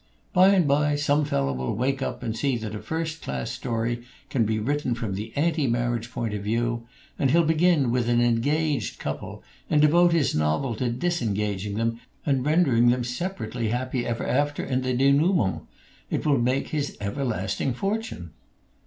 By and by some fellow will wake up and see that a first class story can be written from the anti marriage point of view; and he'll begin with an engaged couple, and devote his novel to disengaging them and rendering them separately happy ever after in the denouement. It will make his everlasting fortune."